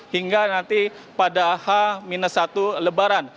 hingga nanti pada h satu lebaran